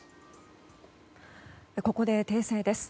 ここで、訂正です。